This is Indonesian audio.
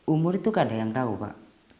umur itu kan ada yang tahu pak